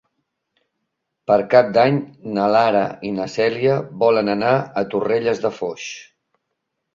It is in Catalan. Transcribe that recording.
Per Cap d'Any na Lara i na Cèlia volen anar a Torrelles de Foix.